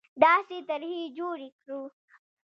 داسې طرحې جوړې کړو